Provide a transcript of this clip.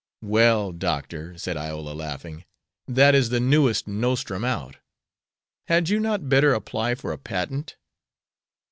"Well, Doctor," said Iola, laughing, "that is the newest nostrum out. Had you not better apply for a patent?"